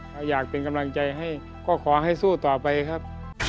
ถ้าอยากเป็นกำลังใจให้ก็ขอให้สู้ต่อไปครับ